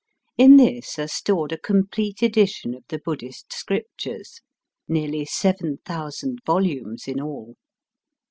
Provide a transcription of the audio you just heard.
In this are stored a complete edition of the Buddhist scriptures, nearly seven thousand volumes in all.